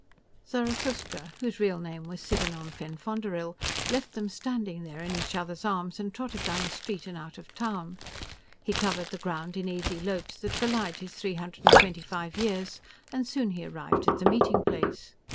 Zarathustra, whose real name was Siddenon Phenphonderill, left them standing there in each other's arms and trotted down the street and out of town. He covered the ground in easy lopes that belied his three hundred and twenty five years, and soon he arrived at the Meeting Place.